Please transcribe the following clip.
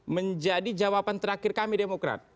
menjadi jawaban terakhir kami demokrat